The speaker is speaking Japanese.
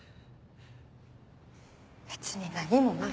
別に何もない。